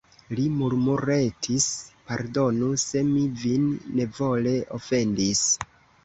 Li murmuretis: pardonu, se mi vin nevole ofendis.